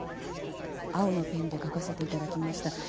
青のペンで書かせていただきました。